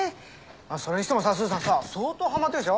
それにしてもさスーさんさ相当ハマってるでしょ？